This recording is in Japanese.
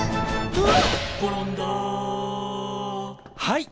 はい。